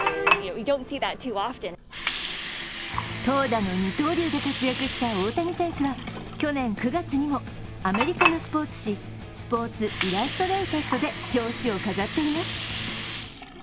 投打の二刀流で活躍した大谷選手は去年９月にもアメリカのスポーツ誌「スポーツ・イラストレイテッド」で表紙を飾っています。